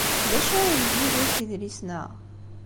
D acu ara yeg Yidir s yidlisen-a?